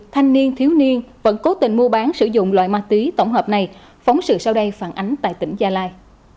thanh niên thiếu niên vẫn cố tình mua bán sử dụng loại ma túy tổng hợp này phóng sự sau đây phản ánh tại tỉnh gia lai